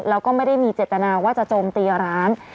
แล้วก็ไม่ได้มีเจตนาว่าจะโจมตีร้าน